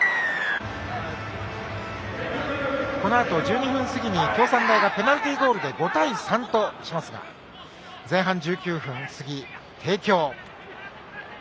このあと１２分過ぎに京産大ペナルティーゴールで５対３としますが前半１９分過ぎ、帝京。